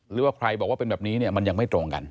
หรือว่าใครบอกว่าเป็นแบบนี้เนี่ยมันยังไม่ตรงกัน